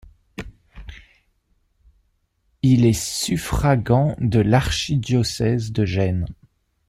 Il est suffragant de l'archidiocèse de Gênes.